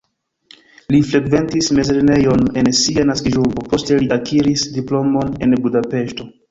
Li frekventis mezlernejon en sia naskiĝurbo, poste li akiris diplomon en Budapeŝto.